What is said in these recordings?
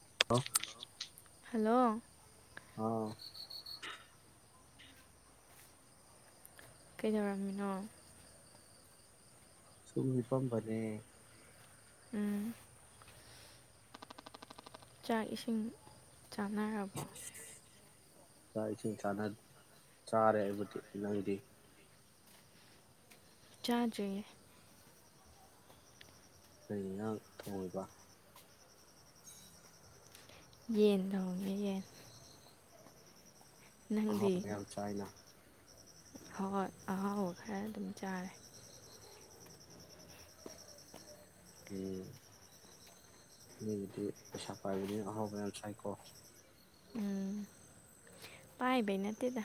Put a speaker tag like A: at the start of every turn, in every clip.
A: [inaudible]
B: Hello.
A: ꯍꯥꯎ꯫
B: ꯀꯩꯗꯧꯔꯝꯃꯤꯅꯣ꯫
A: ꯁꯨꯝ ꯍꯤꯞꯄꯝꯕꯅꯦ꯫
B: ꯎꯝ꯫ ꯆꯥꯛ ꯏꯁꯤꯡ ꯆꯥꯅꯔꯕꯣ꯫
A: ꯆꯥꯛ ꯏꯁꯤꯡ ꯆꯥꯅ ꯆꯥꯔꯦ ꯑꯩꯕꯨꯗꯤ ꯅꯪꯗꯤ꯫
B: ꯆꯥꯗ꯭ꯔꯤ꯫
A: ꯀꯔꯤ ꯏꯟꯁꯥꯡ ꯊꯣꯡꯉꯤꯕ꯫
B: ꯌꯦꯟ ꯊꯣꯡꯉꯦ ꯌꯦꯟ꯫ ꯅꯪꯗꯤ
A: ꯑꯍꯥꯎꯕ ꯌꯥꯝ ꯆꯥꯏꯅ
B: ꯍꯣꯏ ꯑꯍꯥꯎꯕ ꯈꯔ ꯑꯗꯨꯝ ꯆꯥꯔꯦ꯫
A: ꯎꯝ ꯃꯤꯒꯤꯗꯤ ꯄꯩꯁꯥ ꯄꯥꯏꯕꯅꯤꯅ ꯑꯍꯥꯎꯕ ꯌꯥꯝ ꯆꯥꯏꯀꯣ꯫
B: ꯎꯝ ꯄꯥꯏꯕꯩ ꯅꯠꯇꯦꯗ꯫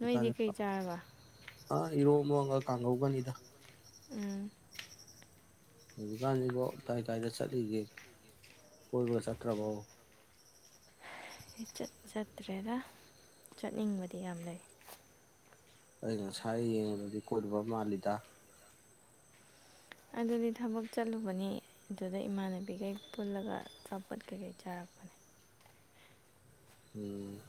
B: ꯅꯣꯏꯗꯤ ꯀꯩ ꯆꯥꯔꯕ
A: ꯑꯥ ꯏꯔꯣꯝꯕ ꯑꯃꯒ ꯀꯥꯡꯍꯧꯒꯅꯤꯗ꯫
B: ꯎꯝ꯫
A: ꯍꯧꯖꯤꯛꯀꯥꯟꯁꯤꯕꯣ ꯀꯥꯏ ꯀꯥꯏꯗ ꯆꯠꯂꯤꯒꯦ ꯀꯣꯏꯕꯒ ꯆꯠꯇ꯭ꯔꯕꯣ꯫
B: ꯆꯠ-ꯆꯠꯇ꯭ꯔꯦꯗ ꯆꯠꯅꯤꯡꯕꯗꯤ ꯌꯥꯝ ꯂꯩ꯫
A: ꯑꯩ ꯉꯁꯥꯏ ꯌꯦꯡꯕꯗꯤ ꯀꯣꯏꯔꯨꯕ ꯃꯥꯜꯂꯤꯗ꯫
B: ꯑꯗꯨꯗꯤ ꯊꯕꯛ ꯆꯠꯂꯨꯕꯅꯤ꯫ ꯑꯗꯨꯗ ꯏꯃꯥꯟꯅꯕꯤꯒꯩ ꯄꯨꯜꯂꯒ ꯑꯆꯥꯄꯣꯠ ꯀꯩꯀꯩ ꯆꯥꯔꯛꯄ
A: ꯎꯝ꯫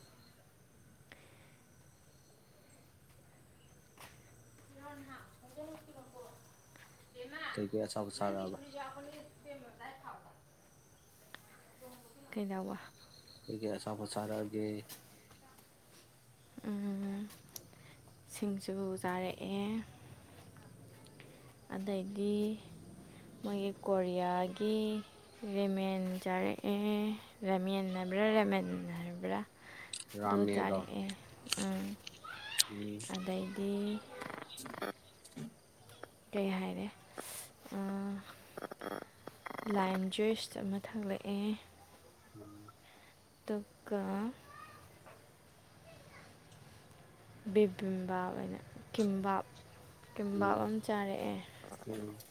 A: ꯀꯩꯀꯩ ꯑꯆꯥꯄꯣꯠ ꯆꯥꯔꯛꯑꯕ꯫
B: [inaudible] ꯀꯩꯩꯗꯧꯕ꯫
A: ꯀꯩꯀꯩ ꯑꯆꯥꯄꯣꯠ ꯆꯥꯔꯛꯑꯒꯦ꯫
B: ꯎꯝ꯫ ꯁꯤꯡꯖꯨ ꯆꯥꯔꯛꯑꯦ꯫ ꯑꯗꯒꯤ ꯃꯣꯏꯒꯤ ꯀꯣꯔꯤꯌꯥꯒꯤ꯫ ꯔꯦꯃꯦꯟ ꯆꯥꯔꯛꯑꯦ ꯔꯥꯃꯦꯟ ꯍꯥꯏꯕ꯭ꯔꯥ ꯔꯦꯃꯟ ꯍꯥꯏꯕ꯭ꯔꯥ꯫ ꯑꯗꯣ
A: ꯔꯥꯃꯦꯗꯣ
B: ꯆꯥꯔꯛꯑꯦ ꯎꯝ꯫
A: ꯎꯝ꯫
B: ꯀꯩ ꯍꯥꯏꯔꯦ ꯑ
A: ꯎꯝ ꯎꯝ
B: ꯂꯥꯏꯝ ꯖꯨꯏꯁ ꯑꯃ ꯊꯂꯛꯑꯦ꯫
A: ꯑ꯫
B: ꯑꯗꯨꯒ꯫ ꯕꯦꯕꯤꯝꯕꯥꯞ ꯅꯥ ꯀꯤꯝꯕꯥꯞ ꯀꯤꯝꯕꯥꯞ
A: ꯎꯝ
B: ꯑꯃ ꯆꯥꯔꯛꯑꯦ
A: ꯎꯝ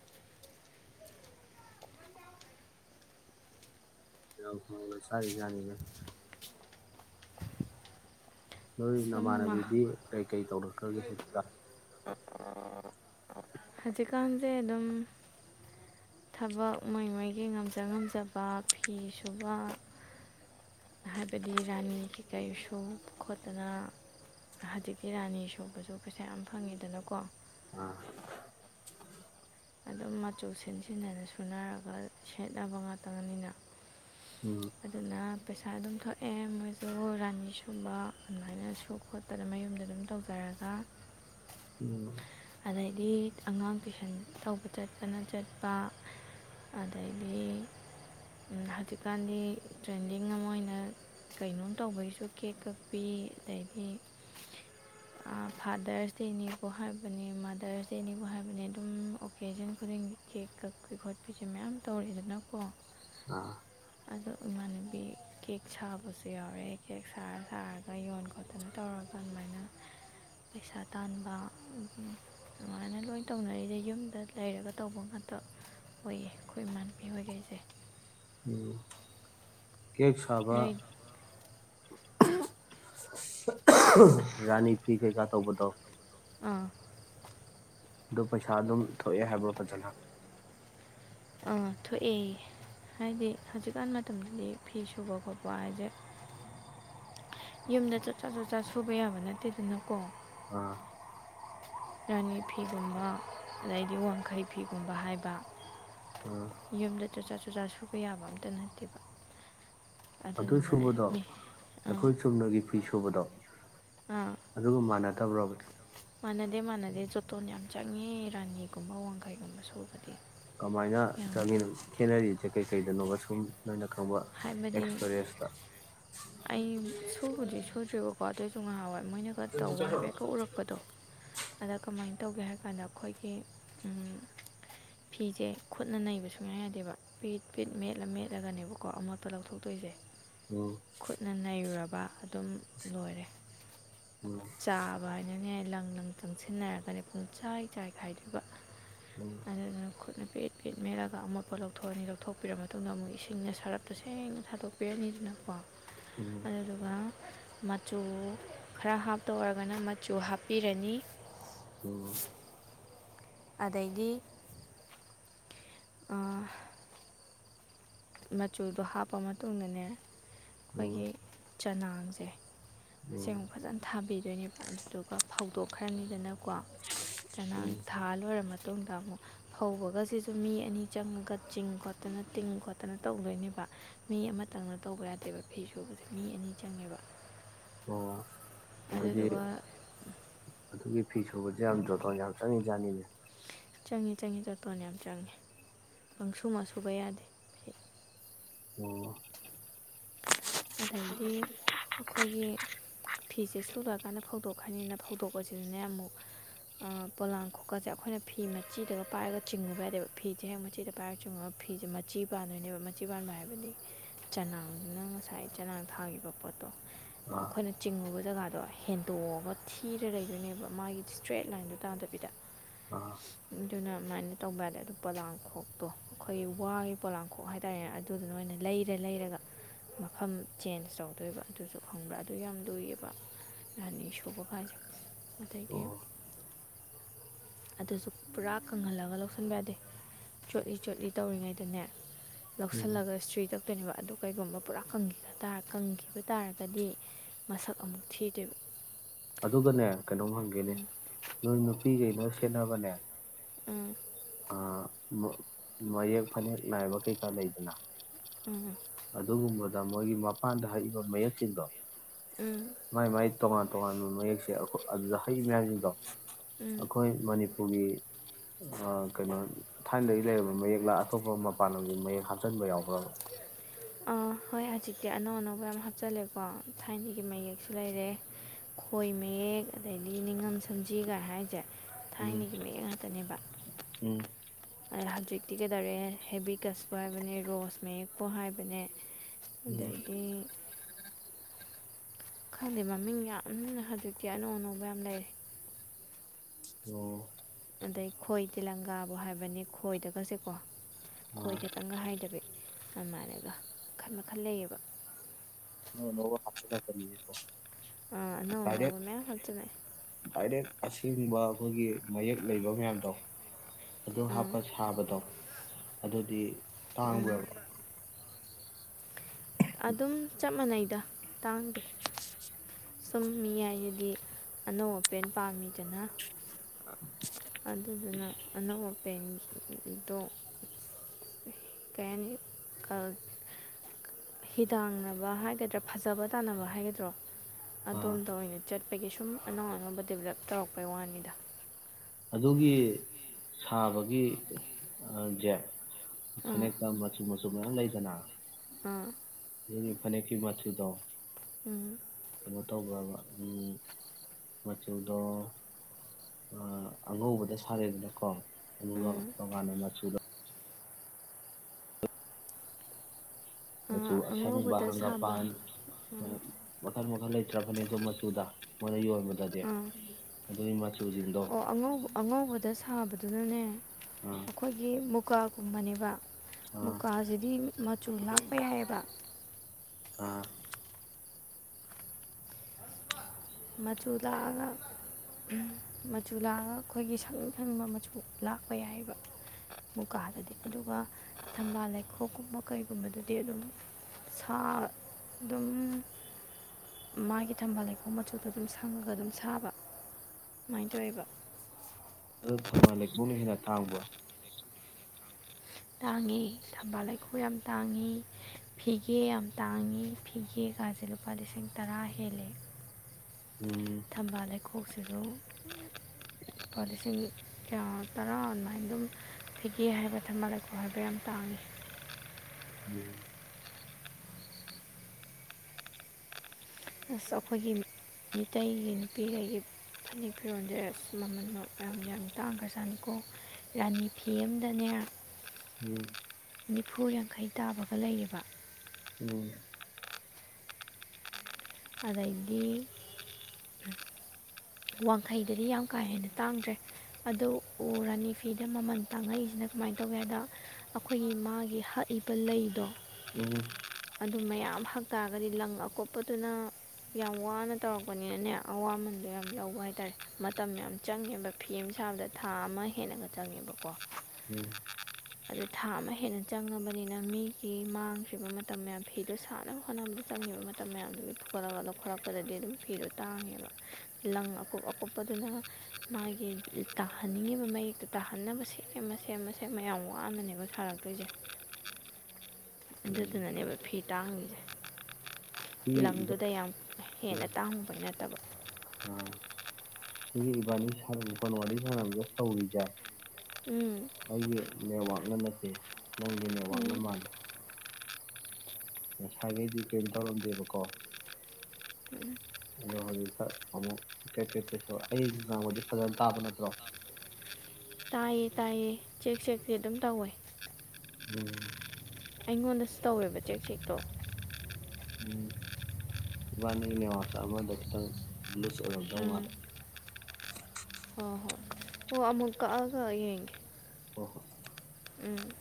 A: ꯌꯥꯝ ꯍꯥꯎꯅꯥ ꯆꯥꯔꯤꯖꯥꯠꯅꯤꯅꯦ ꯅꯣꯏ
B: ꯁꯨꯝ
A: ꯅꯃꯥꯟꯅꯕꯤꯗꯤ ꯀꯩꯀꯩ ꯇꯧꯔꯛꯈ꯭ꯔꯒꯦ ꯍꯧꯖꯤꯛꯇꯤ
B: ꯍꯧꯖꯤꯀꯥꯟꯁꯦ ꯑꯗꯨꯝ ꯊꯕꯛ ꯃꯣꯏ ꯃꯣꯏꯒꯤ ꯉꯝꯖ ꯉꯝꯖꯕ ꯐꯤ ꯁꯨꯕ ꯍꯥꯏꯕꯗꯤ ꯔꯥꯅꯤ ꯀꯩꯀꯩꯁꯨ ꯈꯣꯠꯇꯅ ꯍꯧꯖꯤꯛꯀꯤ ꯔꯥꯅꯤ ꯁꯨꯕꯁꯨ ꯄꯩꯁꯥ ꯌꯥꯝ ꯐꯪꯉꯤꯗꯅꯀꯣ
A: ꯑꯥ
B: ꯑꯗꯨꯝ ꯃꯆꯨ ꯁꯤꯟꯁꯤꯟꯗꯥꯅ ꯁꯨꯅꯔꯒ ꯁꯦꯠꯅꯕ ꯉꯥꯛꯇꯅꯤꯅꯥ
A: ꯎꯝ
B: ꯑꯗꯨꯅ ꯄꯩꯁꯥ ꯑꯗꯨꯝ ꯊꯣꯛꯑꯦ ꯃꯣꯏꯁꯨ ꯔꯥꯅꯤ ꯁꯨꯕ ꯑꯗꯨꯃꯥꯏꯅ ꯁꯨ ꯈꯣꯠꯄ ꯑꯗꯨ ꯃꯌꯨꯝꯗ ꯑꯗꯨꯝ ꯇꯧꯖꯔꯒ
A: ꯎꯝ
B: ꯑꯗꯩꯗꯤ ꯑꯉꯥꯡ ꯇꯨꯏꯁꯟ ꯇꯧꯕ ꯆꯠꯄꯅ ꯆꯠꯄ ꯑꯗꯒꯤ ꯍꯧꯖꯤꯛꯀꯥꯟꯗꯤ ꯇ꯭ꯔꯦꯟꯗꯤꯡ ꯑꯃ ꯑꯣꯏꯅ ꯀꯩꯅꯣꯝ ꯇꯧꯕꯩꯁꯨ ꯀꯦꯛ ꯀꯛꯄꯤ ꯑꯗꯩꯗꯒꯤ ꯐꯥꯗꯔꯁ ꯗꯦꯅꯤꯕꯨ ꯍꯥꯏꯕꯅꯦ ꯃꯥꯗꯔꯁ ꯁꯦꯅꯤꯕꯨ ꯍꯥꯏꯕꯅꯦ ꯑꯗꯨꯝ ꯑꯣꯀꯦꯖꯟ ꯈꯨꯗꯤꯡꯒꯤ ꯀꯦꯛ ꯀꯛꯄꯤ ꯈꯣꯠꯄꯤꯁꯦ ꯃꯌꯥꯝ ꯇꯧꯔꯛꯑꯦꯗꯅꯥ ꯀꯣ
A: ꯑ
B: ꯑꯗꯨ ꯏꯃꯥꯟꯅꯕꯤ ꯀꯦꯛ ꯁꯥꯕꯁꯨ ꯌꯥꯎꯔꯦ ꯀꯦꯛ ꯁꯥꯔ ꯁꯥꯔꯒ ꯑꯗꯨꯃꯥꯏꯅꯥ ꯌꯣꯟ ꯈꯣꯠꯇꯅ ꯇꯧꯔꯒꯥ ꯑꯗꯨꯃꯥꯏꯅ ꯄꯩꯁꯥ ꯇꯥꯟꯕ ꯎꯝ ꯑꯗꯨꯃꯥꯏꯅ ꯂꯣꯏ ꯇꯧꯅꯔꯤꯅꯦ ꯌꯨꯝꯗ ꯂꯩꯔꯒ ꯇꯧꯕ ꯉꯥꯛꯇ ꯍꯣꯏꯌꯦ ꯑꯩꯈꯣꯏ ꯏꯃꯥꯟꯅꯕꯤ ꯍꯣꯏꯈꯩꯁꯦ
A: ꯎꯝ ꯀꯦꯛ ꯁꯥꯕ
B: ꯅꯣꯏ
A: ꯔꯥꯅꯤ ꯐꯤ ꯀꯩꯀꯥ ꯇꯧꯕꯗꯣ
B: ꯑꯥ
A: ꯑꯗꯨ ꯄꯩꯁꯥ ꯑꯗꯨꯝ ꯊꯣꯛꯑꯦ ꯍꯥꯏꯕ꯭ꯔꯣ ꯐꯖꯅ
B: ꯑꯥ ꯊꯣꯛꯑꯦꯌꯦ ꯍꯥꯏꯗꯤ ꯍꯧꯖꯤꯛꯀꯥꯟ ꯃꯇꯝꯗꯗꯤ ꯐꯤ ꯁꯨꯕ ꯈꯣꯠꯄ ꯍꯥꯏꯁꯦ ꯌꯨꯝꯗ ꯆꯣꯠꯆꯥ ꯆꯣꯠꯆꯥ ꯁꯨꯕ ꯌꯥꯕ ꯅꯠꯇꯦꯗꯅꯀꯣ
A: ꯑꯥ
B: ꯔꯥꯅꯤ ꯐꯤꯒꯨꯝꯕ ꯑꯗꯩꯗꯤ ꯋꯥꯡꯈꯩ ꯐꯤꯒꯨꯝꯕ ꯍꯥꯏꯕ
A: ꯑꯥ
B: ꯌꯨꯝꯗ ꯆꯨꯆꯥꯥ ꯆꯨꯆꯥꯥ ꯁꯨꯕ ꯌꯥꯕ ꯑꯝꯇ ꯅꯠꯇꯦꯕ
A: ꯑꯗꯨ
B: ꯑꯗꯨꯗꯨꯅꯅꯦ
A: ꯁꯨꯕꯗꯣ
B: ꯃꯤ ꯑꯥ
A: ꯑꯩꯈꯣꯏ ꯆꯨꯝꯅꯒꯤ ꯐꯤ ꯁꯨꯕꯗꯣ
B: ꯑꯥ
A: ꯑꯗꯨꯒ ꯃꯥꯟꯅꯗꯥꯕ꯭ꯔꯥꯕ
B: ꯃꯥꯟꯅꯗꯦ ꯃꯥꯟꯅꯗꯦ ꯆꯣꯇꯣꯟ ꯌꯥꯝ ꯆꯪꯏ ꯔꯥꯅꯤꯒꯨꯝꯕ ꯋꯥꯡꯈꯩꯒꯨꯝꯕ ꯁꯨꯕꯗꯤ
A: ꯀꯃꯥꯏꯅ
B: ꯌꯥꯝ
A: ꯆꯪꯒꯦ ꯈꯦꯠꯅꯔꯤꯁꯦ ꯀꯩꯀꯩꯗꯅꯣꯕꯥ ꯁꯨꯝ ꯅꯣꯏꯅ ꯈꯪꯕ
B: ꯍꯥꯏꯕꯗꯤ
A: ꯑꯦꯛꯁꯄꯔꯤꯌꯦꯟꯁꯇ
B: ꯑꯩ ꯁꯨꯕꯨꯗꯤ ꯁꯨꯗꯔ꯭ꯤꯕꯀꯣ ꯑꯗꯣꯏꯁꯨ ꯅꯥꯍꯥꯟꯋꯥꯏ ꯃꯣꯏꯅꯒ ꯇꯧꯕ ꯍꯥꯏꯐꯦꯠꯀ ꯎꯔꯛꯄꯗꯣ ꯑꯗ ꯀꯃꯥꯏꯅ ꯇꯧꯒꯦ ꯍꯥꯏ ꯀꯥꯟꯗ ꯑꯩꯈꯣꯏꯒꯤ ꯐꯤꯁꯦ ꯈꯨꯠꯅ ꯅꯩꯕ ꯁꯨꯡꯌꯥ ꯌꯥꯗꯦꯕ ꯄꯤꯠ ꯄꯤꯠ ꯃꯦꯠꯂ ꯃꯦꯠꯂꯒꯅꯦꯕꯀꯣ ꯑꯃꯣꯠꯄꯥ ꯂꯧꯊꯣꯛꯇꯣꯏꯁꯦ
A: ꯎꯝ
B: ꯈꯨꯠꯅ ꯅꯩꯔꯨꯔꯕ ꯑꯗꯨꯝ ꯂꯣꯏꯔꯦ
A: ꯎꯝ
B: ꯆꯥꯕ ꯕꯕꯥ ꯍꯥꯏꯅꯅꯦ ꯂꯪ ꯂꯪ ꯆꯪꯁꯤꯟꯅꯔꯒꯅꯦ ꯄꯨꯡꯆꯥꯏ ꯆꯥꯏ ꯈꯥꯏꯗꯣꯏꯕ
A: [inaudible]
B: ꯑꯗꯨꯗꯨꯅ ꯈꯨꯠ ꯈꯨꯠꯅ ꯄꯦꯠ ꯄꯦꯠ ꯃꯦꯔꯂꯒ ꯑꯃꯣꯠꯄ ꯂꯧꯊꯣꯛꯑꯅꯤ ꯂꯧꯊꯣꯛꯄꯤꯔ ꯃꯇꯨꯡꯗ ꯑꯃꯨꯛ ꯏꯁꯤꯡꯅ ꯁꯔꯞꯇ ꯁꯦꯡꯅ ꯊꯥꯗꯣꯛ ꯄꯤꯔꯅꯤꯗꯅꯀꯣ
A: [inaudible]
B: ꯑꯗꯨꯒ ꯃꯆꯨ ꯈꯔ ꯍꯥꯞꯇꯧ ꯑꯣꯏꯔꯒꯅ ꯃꯆꯨ ꯍꯥꯞꯄꯤꯔꯅꯤ
A: [inaudible]
B: ꯑꯗꯧꯗꯤ ꯑꯥ ꯃꯆꯨꯗꯣ ꯍꯥꯞꯄ ꯃꯇꯨꯡꯗꯅꯦ
A: ꯎꯝ
B: ꯑꯩꯈꯣꯏꯒꯤ ꯆꯅꯥꯡꯁꯦ
A: ꯎꯝ
B: ꯑꯁꯤꯃꯨꯛ ꯐꯖꯅ ꯊꯥꯕꯤꯗꯣꯏꯅꯦꯕ ꯑꯗꯨꯗꯨꯒ ꯐꯧꯗꯣꯛꯈ꯭ꯔꯅꯤꯗꯅꯀꯣ ꯆꯅꯥꯡ
A: ꯎꯝ ꯎꯝ
B: ꯊꯥ ꯂꯣꯏꯔ ꯃꯇꯨꯡꯗ ꯑꯃꯨꯛ ꯐꯧꯕꯒꯁꯤꯁꯨ ꯃꯤ ꯑꯅꯤ ꯆꯪꯉꯒ ꯆꯤꯡ ꯈꯣꯠꯇꯅ ꯇꯤꯡ ꯈꯣꯠꯇꯅ ꯇꯧꯗꯣꯏꯅꯦꯕ ꯃꯤ ꯑꯃꯇꯪꯅ ꯇꯧꯕ ꯌꯥꯗꯦꯕ ꯐꯤ ꯁꯨꯕꯁꯦ ꯃꯤ ꯑꯅꯤ ꯆꯪꯉꯦꯕ
A: ꯑꯣ ꯑꯗꯨꯗꯤ
B: ꯑꯗꯨꯗꯨꯒ
A: ꯑꯗꯨꯒꯤ ꯐꯤ ꯁꯨꯕꯁꯦ ꯌꯥꯝ ꯖꫭꯇꫭꯟ ꯌꯥꯝ ꯆꯪꯉꯤꯖꯥꯠꯅꯤꯅꯦ
B: ꯆꯪꯉꯤ ꯆꯪꯉꯤ ꯖꫭꯇꫭꯟ ꯌꯥꯝ ꯆꯪꯉꯦ ꯄꯪꯁꯨ ꯃꯁꯨꯕ ꯌꯥꯗꯦ ꯐꯤ
A: ꯑꯣ
B: ꯑꯗꯩꯗꯤ ꯑꯈꯣꯏꯒꯤ ꯐꯤꯁꯦ ꯁꯨꯨ ꯂꯣꯏꯔꯀꯥꯟꯗ ꯐꯧꯗꯣꯛꯈ꯭ꯔꯅꯤꯗꯅ ꯐꯧꯗꯣꯛꯄꯁꯤꯖꯨꯅꯦ ꯑꯃꯨꯛ ꯑ ꯄꯣꯂꯥꯡ ꯈꯣꯛꯀꯥꯁꯦ ꯑꯩꯈꯣꯏꯅ ꯐꯤ ꯃꯆꯤꯗꯒ ꯄꯥꯏꯔꯒ ꯆꯤꯡꯉꯨꯕ ꯌꯥꯏꯗꯦꯕ ꯐꯤꯁꯦ ꯍꯦꯛ ꯃꯆꯤꯗ ꯄꯥꯏꯔꯒ ꯆꯤꯡꯉꯨꯕ ꯐꯤꯁꯦ ꯃꯆꯤ ꯄꯥꯟꯗꯣꯏꯅꯦꯕ ꯃꯆꯤ ꯄꯥꯟꯕ ꯍꯥꯏꯕꯗꯤ ꯆꯅꯥꯡꯗꯨꯅ ꯉꯁꯥꯏ ꯆꯅꯥꯥꯡ ꯊꯥꯒꯤꯕ ꯄꯣꯠꯇꯣ
A: ꯑꯥ
B: ꯑꯩꯈꯣꯏꯅ ꯆꯤꯡꯉꯨꯕ ꯖꯒꯥꯗꯣ ꯍꯦꯟꯗꯣꯛꯑꯒ ꯊꯤꯔ ꯂꯩꯗꯣꯏꯅꯦꯕ ꯃꯥꯒꯤ ꯏꯁꯇ꯭ꯔꯦꯠ ꯂꯥꯏꯟꯗꯣ ꯇꯥꯗꯕꯤꯗ
A: ꯑꯥ
B: ꯑꯗꯨꯅ ꯃꯅꯤ ꯇꯧꯕ ꯌꯥꯗꯦ ꯑꯗꯨ ꯄꯣꯂꯥꯡꯈꯣꯛꯇꯣ ꯑꯈꯣꯏꯒꯤ ꯋꯥꯒꯤ ꯄꯣꯂꯥꯡꯈꯣꯛ ꯍꯥꯏꯇꯥꯔꯦꯅꯦ ꯑꯗꯨꯗꯨꯅ ꯑꯣꯏꯅ ꯂꯩꯔ ꯂꯩꯔꯒ ꯃꯐꯝ ꯆꯦꯟꯖ ꯇꯧꯗꯣꯏꯕ ꯑꯗꯨꯁꯨ ꯈꯪꯕ꯭ꯔꯥ ꯑꯗꯨ ꯌꯥꯝ ꯂꯨꯏꯌꯦꯕ ꯔꯥꯅꯤ ꯁꯨꯕꯒꯥꯏꯖꯦ ꯑꯗꯩꯗꯤ
A: ꯑꯣ
B: ꯑꯗꯨꯁꯨ ꯄꯨꯔꯥ ꯀꯪꯍꯜꯂꯒ ꯂꯧꯁꯟꯕ ꯌꯥꯗꯦ ꯆꯣꯠꯂꯤ ꯆꯣꯠꯂꯤ ꯇꯧꯔꯤꯉꯩꯗꯅꯦ
A: ꯎꯝ
B: ꯂꯧꯁꯜꯂꯒ ꯏꯁꯇ꯭ꯔꯤ ꯇꯛ ꯇꯣꯏꯅꯦꯕ ꯑꯗꯨ ꯀꯩꯒꯨꯝꯕ ꯄꯨꯔꯥ ꯀꯪꯒꯤꯒ ꯇ ꯀꯪꯒꯤꯕ ꯇꯥꯔꯒꯗꯤ ꯃꯁꯛ ꯑꯃꯨꯛ ꯊꯤꯗꯣꯏꯕ
A: ꯑꯗꯨꯒꯅꯦ ꯀꯩꯅꯣꯝ ꯍꯪꯒꯦꯅꯦ
B: ꯎꯝ
A: ꯅꯣꯏ ꯅꯨꯄꯤꯒꯩꯅ ꯁꯦꯠꯅꯕꯅꯦ
B: ꯎꯝ
A: ꯑ ꯃ ꯃꯌꯦꯛ ꯐꯅꯦꯛ ꯅꯥꯏꯕ ꯀꯩꯀꯥ ꯂꯩꯗꯅ
B: ꯎꯝ
A: ꯑꯗꯨꯒꯨꯝꯕꯗ ꯃꯣꯏꯒꯤ ꯃꯄꯥꯟꯗ ꯍꯛꯏꯕ ꯃꯌꯦꯛꯁꯤꯡꯗꯣ
B: ꯎꯝ
A: ꯃꯥꯏ ꯃꯥꯏ ꯇꯣꯉꯥꯟ ꯇꯣꯉꯥꯟꯕ ꯃꯌꯦꯛꯁꯦ ꯑꯈꯣ ꯑꯗꯨꯗ ꯍꯩ ꯃꯌꯥꯝꯖꯤꯡꯗꯣ
B: ꯎꯝ
A: ꯑꯈꯣꯏ ꯃꯅꯤ ꯄꯨꯔꯒꯤ ꯑ ꯀꯩꯅꯣ ꯊꯥꯏꯅꯗꯩ ꯂꯩꯔꯝꯕ ꯃꯌꯦꯛ ꯂꯥ ꯑꯇꯣꯞꯄ ꯃꯄꯥꯟ ꯂꯝꯒꯤ ꯃꯌꯦꯛ ꯍꯥꯞꯆꯟꯕ ꯌꯥꯎꯕ꯭ꯔꯕ
B: [inaudible] ꯑꯥ ꯍꯣꯏ ꯍꯧꯖꯤꯛꯇꯤ ꯑꯅꯧ ꯑꯅꯧꯕ ꯌꯥꯝ ꯍꯥꯞꯆꯤꯜꯂꯦꯀꯣ ꯊꯥꯏꯅꯒꯤ ꯃꯌꯦꯛꯁꯨ ꯂꯩꯔꯦ ꯈꯣꯏ ꯃꯌꯦꯛ ꯑꯗꯩꯗꯤ ꯅꯤꯡꯉꯝ ꯁꯝꯖꯤꯒ ꯍꯥꯏꯁꯦ
A: ꯎꯝ
B: ꯊꯥꯏꯅꯒꯤ ꯃꯌꯦꯛ ꯉꯥꯛꯇꯅꯦꯕ
A: ꯎꯝ
B: [unintelligible] ꯍꯧꯖꯤꯛꯇꯤ ꯀꯩꯗꯧꯔꯦ ꯍꯦꯕꯤꯀꯁꯄꯨ ꯍꯥꯏꯕꯅꯦ ꯔꯣꯁ ꯃꯌꯦꯛꯄꯨ ꯍꯥꯏꯕꯅꯦ
A: ꯎꯝ
B: ꯑꯗꯩꯗꯤ ꯈꯪꯗꯦ ꯃꯃꯤꯡ ꯌꯥꯝꯅ ꯍꯧꯖꯤꯛꯇꯤ ꯑꯅꯧ ꯑꯅꯧꯕ ꯌꯥꯝ ꯂꯩꯔꯦ
A: [unintelligible]
B: ꯑꯗꯩ ꯈꯣꯏ ꯇꯦꯂꯪꯒꯥꯕꯨ ꯍꯥꯏꯕꯅꯦ ꯈꯣꯏꯗꯒꯁꯦꯀꯣ ꯈꯣꯏ
A: ꯑꯥ
B: ꯈꯇꯪꯒ ꯍꯥꯏꯗꯕꯤ ꯑꯃꯥꯏꯅꯒ ꯃꯈꯜ ꯃꯈꯜ ꯂꯩꯌꯦꯕ
A: ꯑꯅꯧ ꯑꯅꯧꯕ ꯍꯥꯞꯆꯜꯂꯛꯄꯅꯤꯅꯦꯀꯣ
B: ꯑꯥ ꯑꯅꯧ ꯑꯅꯧꯕ ꯃꯌꯥꯝ ꯍꯥꯞꯆꯟꯂꯛꯑꯦ
A: ꯍꯥꯏꯔꯦꯛ ꯑꯁꯦꯡꯕ ꯑꯈꯣꯏꯒꯤ ꯃꯌꯦꯛ ꯂꯩꯕ ꯃꯌꯥꯝꯗꯣ ꯑꯗꯨ
B: ꯑꯥ
A: ꯍꯥꯞꯄ ꯁꯥꯕꯗꯣ ꯑꯗꯨꯗꯤ
B: ꯎꯝ
A: ꯇꯥꯡꯕ꯭ꯔꯕ
B: ꯑꯗꯨꯝ ꯆꯞ ꯃꯥꯟꯅꯩꯗ ꯇꯥꯡꯗꯦ ꯁꯨꯝ ꯃꯤ [unintelligible] ꯑꯅꯧ ꯑꯄꯦꯟ ꯄꯥꯝꯃꯤꯗꯅ
A: [unintelligible]
B: ꯑꯗꯨꯗꯨꯅ ꯑꯅꯧ ꯑꯄꯦꯟ [inaudible] ꯗꯣ ꯀꯩ ꯍꯥꯏꯅꯤ ꯀ ꯍꯤꯗꯥꯡꯅꯕ ꯍꯥꯏꯒꯗ꯭ꯔꯥ ꯐꯖꯕ ꯇꯥꯟꯅꯕ ꯍꯥꯏꯒꯗ꯭ꯔꯣ
A: ꯑꯥ
B: ꯑꯗꯣꯝꯗ ꯑꯣꯏꯅ ꯆꯠꯄꯒꯤ ꯁꯨꯝ ꯑꯅꯧ ꯑꯅꯧꯕ ꯗꯤꯕꯂꯞ ꯇꯧꯔꯛꯄꯩ ꯋꯥꯅꯤꯗ
A: ꯑꯗꯨꯒꯤ ꯁꯥꯕꯒꯤ ꯑ ꯖꯦ
B: ꯑꯥ
A: ꯐꯅꯦꯛꯇ ꯃꯆꯨ ꯃꯆꯨ ꯃꯌꯥꯝ ꯂꯩꯗꯅ
B: ꯑꯥ
A: [unintelligible] ꯐꯅꯦꯛꯀꯤ ꯃꯆꯨꯗꯣ
B: ꯎꯝ
A: ꯀꯩꯅꯣ ꯇꯧꯕ꯭ꯔꯕ ꯎꯝ ꯃꯆꯨꯗꯣ ꯑ ꯑꯉꯧꯕꯗ ꯁꯥꯔꯦꯗꯅꯀꯣ ꯑꯗꯨꯒ
B: ꯎꯝ
A: ꯇꯣꯉꯥꯟꯅ ꯃꯆꯨ ꯃꯆꯨ
B: ꯑꯥ
A: ꯑꯁꯪꯕ
B: ꯑꯉꯧꯕꯗ
A: ꯍꯪꯒꯥꯄꯥꯟ
B: ꯁꯥꯕ ꯎꯝ
A: [inaudible] ꯃꯈꯜ ꯃꯈꯜ ꯂꯩꯇ꯭ꯔ ꯐꯅꯦꯛꯁꯨ ꯃꯆꯨꯗ ꯃꯣꯏꯅ ꯌꯣꯟꯕꯗꯗꯤ
B: ꯑꯥ
A: ꯑꯗꯨꯒꯤ ꯃꯆꯨꯁꯤꯡꯗꯣ
B: ꯑꯣ ꯑꯉꯧꯕ ꯑꯉꯧꯕꯗ ꯁꯥꯕꯗꯨꯅꯅꯦ
A: ꯑꯥ
B: ꯑꯩꯈꯣꯏꯒꯤ ꯃꯨꯀꯥꯒꯨꯝꯕꯅꯦꯕ
A: ꯑꯥ
B: ꯃꯨꯀꯥꯁꯤꯗꯤ ꯃꯆꯨ ꯂꯥꯛꯄ ꯌꯥꯏꯑꯦꯕ
A: ꯑꯥ
B: ꯃꯆꯨ ꯂꯥꯛꯑꯒ ꯎꯝ ꯃꯆꯨ ꯂꯥꯛꯑꯒ ꯑꯩꯈꯣꯏꯒꯤ ꯁꯪꯅꯤꯡ ꯁꯪꯅꯤꯡꯕ ꯃꯆꯨ ꯂꯥꯛꯄ ꯌꯥꯏꯕ ꯃꯨꯀꯥꯗꯗꯤ ꯑꯗꯨꯒ ꯊꯝꯕꯥꯜ ꯂꯩꯈꯣꯛꯀꯨꯝꯕ ꯀꯩꯒꯨꯝꯕꯗꯨꯗꯤ ꯑꯗꯨꯝ ꯁꯥ ꯑꯗꯨꯝ ꯃꯥꯒꯤ ꯊꯝꯕꯥꯜ ꯂꯩꯈꯣꯡ ꯃꯆꯨꯗꯣ ꯑꯗꯨꯝ ꯁꯪꯉꯒ ꯑꯗꯨꯝ ꯁꯥꯕ ꯁꯃꯥꯏꯅ ꯇꯧꯋꯦꯕ
A: ꯑꯗꯨ ꯊꯝꯕꯥꯜ ꯂꯩꯈꯣꯛꯅ ꯍꯦꯟꯅ ꯇꯥꯡꯕ꯭ꯔꯣ
B: ꯇꯥꯡꯉꯤ ꯊꯝꯕꯥꯜ ꯂꯩꯈꯣꯛ ꯌꯥꯝ ꯇꯥꯡꯉꯤ ꯐꯤꯒꯦ ꯌꯥꯝ ꯇꯥꯡꯉꯤ ꯐꯤꯒꯦꯒꯥꯁꯦ ꯂꯨꯄꯥ ꯂꯤꯁꯤꯡ ꯇꯔꯥ ꯍꯦꯜꯂꯦ
A: ꯎꯝ
B: ꯊꯝꯕꯥꯜ ꯂꯩꯈꯣꯛꯁꯤꯁꯨ ꯂꯨꯄꯥ ꯂꯤꯁꯤꯡ ꯀꯌꯥ ꯇꯔꯥ ꯑꯗꯨꯃꯥꯏꯅ ꯑꯗꯨꯝ ꯐꯤꯒꯦ ꯍꯥꯏꯕ ꯊꯝꯕꯥꯜ [inaudible] ꯑꯥꯗ ꯌꯥꯝ ꯇꯥꯡꯉꯤ
A: [unintelligible]
B: ꯑꯁ ꯑꯩꯈꯣꯏꯒꯤ ꯃꯤꯇꯩꯒꯤ ꯅꯨꯄꯤꯒꯩꯒꯤ ꯐꯅꯦꯛ ꯐꯤꯔꯣꯜꯖꯦ ꯑꯁ ꯃꯃꯜ ꯃꯌꯥꯝ ꯌꯥꯝ ꯇꯥꯡꯒꯔ ꯖꯥꯠꯅꯤꯀꯣ ꯔꯥꯅꯤ ꯐꯤ ꯑꯝꯗꯅꯦ
A: [unintelligible]
B: ꯅꯤꯐꯨ ꯌꯥꯡꯈꯩ ꯇꯥꯕꯒ ꯂꯩꯌꯦꯕ
A: ꯎꯝ
B: ꯑꯗꯒꯤ ꯋꯥꯡꯈꯩꯗꯗꯤ ꯌꯥꯝ ꯀꯥ ꯍꯦꯟꯅ ꯇꯥꯡꯗ꯭ꯔꯦ ꯑꯗꯣ ꯑꯣ ꯔꯥꯅꯤ ꯐꯤꯗ ꯃꯃꯜ ꯇꯥꯡꯉꯛꯏꯁꯤꯅ ꯀꯃꯥꯏꯅ ꯇꯧꯒꯦ ꯍꯥꯏꯗ ꯑꯩꯈꯣꯏꯒꯤ ꯃꯥꯒꯤ ꯍꯛꯏꯕ ꯂꯩꯗꯣ
A: ꯎꯝ
B: ꯑꯗꯨ ꯃꯌꯥꯝ ꯍꯛꯇꯥꯔꯒꯗꯤ ꯂꯪ ꯑꯀꯨꯞꯄꯗꯨꯅ ꯌꯥꯝ ꯋꯥꯅ ꯇꯧꯔꯛꯄꯅꯤꯅ ꯅꯦ ꯑꯋꯥꯃꯟꯗꯣ ꯌꯥꯝ ꯂꯧꯕ ꯍꯥꯏꯇꯥꯔꯦ ꯃꯇꯝ ꯌꯥꯝ ꯆꯪꯉꯦꯕ ꯐꯤ ꯑꯃ ꯁꯥꯕꯗ ꯊꯥ ꯑꯃ ꯍꯦꯟꯅꯒ ꯆꯪꯉꯦꯕꯀꯣ
A: [unintelligible]
B: ꯑꯗꯨꯗ ꯊꯥ ꯑꯃ ꯍꯦꯟꯅ ꯆꯪꯉꯕꯅꯤꯅ ꯃꯤꯒꯤ ꯃꯥꯡꯈ꯭ꯔꯤꯕ ꯃꯇꯝ ꯃꯌꯥꯝ ꯐꯤꯗꯣ ꯁꯥꯟꯅꯕ ꯍꯣꯠꯅꯕꯗ ꯆꯪꯉꯤꯕ ꯃꯇꯝ ꯃꯌꯥꯝꯗꯨꯒꯤ ꯐꯨꯒꯠꯂꯒ ꯂꯧꯈꯠꯂꯛꯄꯗꯗꯤ ꯑꯗꯨꯝ ꯐꯤꯗꯣ ꯇꯥꯡꯉꯦꯕ ꯂꯪ ꯑꯀꯨꯞ ꯑꯀꯨꯞ ꯀꯨꯞꯄꯗꯨꯅ ꯃꯥꯒꯤ ꯇꯥꯍꯟꯅꯤꯡꯉꯤꯕ ꯃꯌꯦꯛꯇꯨ ꯇꯥꯍꯟꯅꯕ ꯁꯦꯝꯃ ꯁꯦꯝꯃ ꯁꯦꯝꯃ ꯌꯥꯝ ꯋꯥ ꯋꯥꯅꯅꯦꯕ ꯁꯥꯔꯛꯇꯣꯏꯖꯦ
A: ꯎꯝ
B: ꯑꯗꯨꯗꯨꯅꯅꯦꯕ ꯐꯤ ꯇꯥꯡꯉꯤꯁꯦ
A: ꯁꯤꯒꯤ ꯏꯕ
B: ꯂꯪꯗꯨꯗ ꯌꯥꯝ ꯍꯦꯟꯅ ꯇꯥꯡꯉꯨꯕꯩ ꯅꯠꯇꯕ
A: [inaudible] [unintelligible] [unintelligible] ꯇꯧꯔꯤꯕ
B: ꯎꯝ
A: ꯑꯩꯒꯤ ꯅꯦꯠꯋꯥꯛꯅꯦ [inaudible]
B: ꯎꯝ
A: ꯉꯍꯥꯟꯒꯩꯗꯦ ꯀꯤꯝ ꯇꯧꯔꯝꯗꯦꯕꯀꯣ
B: [inaudible]
A: ꯑꯩꯅ ꯍꯖꯤꯛꯇ ꯑꯃꯨꯛ ꯀꯩ ꯀꯩ ꯑꯩꯥꯅ ꯉꯥꯡꯕꯗꯤ ꯐꯖꯅ ꯇꯥꯕ ꯅꯠꯇ꯭ꯔꯣ
B: ꯇꯥꯏꯌꯦ ꯇꯥꯏꯌꯦ ꯆꯦꯛ ꯆꯦꯛꯇꯤ ꯑꯗꯨꯝ ꯇꯧꯋꯦ
A: [inaudible]
B: ꯑꯩꯉꯣꯟꯗꯁꯨ ꯇꯧꯋꯦꯕ ꯆꯦꯛ ꯆꯦꯛꯇꯣ [inaudible]
A: [inaudible]
B: [inaudible]
A: ꯏꯕꯥꯟꯅꯤ ꯅꯦꯠꯋꯥꯛꯁꯦ ꯑꯃꯗ ꯈꯤꯇꯪ ꯂꯨꯁ ꯑꯣꯏꯔꯝꯗꯧ
B: ꯎꯝ
A: ꯃꯥꯜꯂꯦ
B: ꯍꯣꯏ ꯍꯣꯏ ꯍꯣ ꯑꯃꯨꯛ ꯀꯛꯑꯒ ꯌꯦꯡꯒꯦ
A: ꯍꯣ ꯍꯣꯏ
B: ꯎꯝ